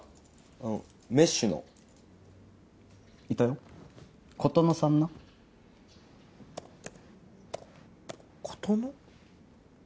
あのメッシュのいたよ琴乃さんな琴乃？